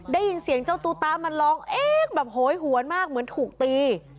ได้ยินเสียงเจ้าตูตามันร้องเอ๊ะแบบโหยหวนมากเหมือนถูกตี